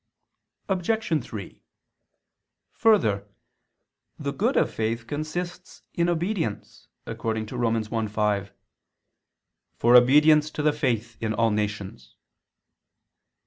Obj. 3: Further, the good of faith consists in obedience, according to Rom. 1:5: "For obedience to the faith in all nations."